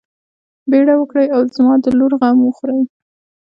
بيړه وکړئ او د زما د لور غم وخورئ.